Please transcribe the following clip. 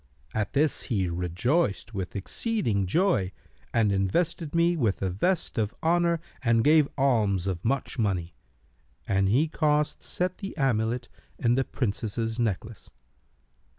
At this he rejoiced with exceeding joy and invested me with a vest of honour and gave alms of much money; and he caused set the amulet in the Princess's necklace.